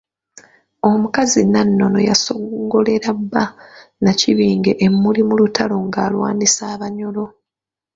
Omukazi Nannono yasongolera bba Nakibinge emmuli mu lutalo ng’alwanyisa abanyolo.